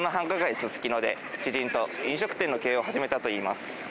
すすきので知人と飲食店の経営を始めたといいます。